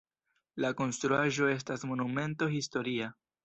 La konstruaĵo estas monumento historia.